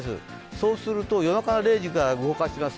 そうすると、夜中の０時から動かします。